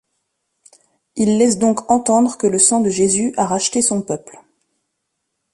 Il laisse donc entendre que le sang de Jésus a racheté son peuple.